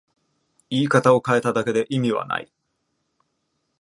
言い方を変えただけで意味はない